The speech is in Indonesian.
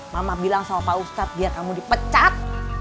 mama bilang sama pak ustadz biar kamu dipecat